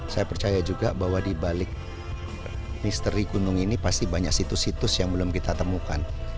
saya percaya juga bahwa dibalik misteri gunung ini pasti banyak situs situs yang belum kita temukan